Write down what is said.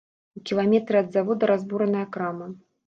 У кіламетры ад завода разбураная крама.